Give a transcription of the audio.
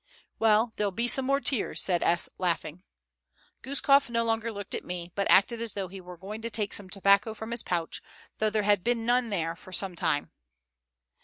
"Well, there'll be some more tears," said S., laughing. Guskof no longer looked at me, but acted as though he were going to take some tobacco from his pouch, though there had been none there for some time.